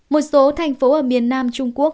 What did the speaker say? một số thành phố ở miền nam trung quốc